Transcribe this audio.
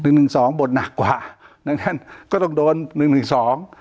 หนึ่งหนึ่งสองบทหนักกว่าดังนั้นก็ต้องโดนหนึ่งหนึ่งสอง